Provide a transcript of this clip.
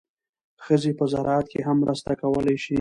ښځې په زراعت کې هم مرسته کولی شي.